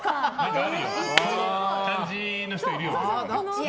そういう感じの人いるよね。